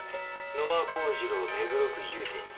「野間幸次郎目黒区祐天寺」。